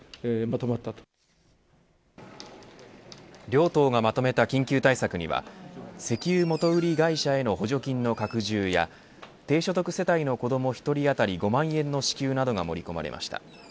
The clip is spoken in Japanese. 両党がまとめた緊急対策には石油元売り会社への補助金の拡充や低所得世帯の子ども１人当たり５万円の支給などが盛り込まれました。